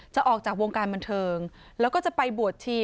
จะออกจากวงการบันเทิงแล้วก็จะไปบวชชี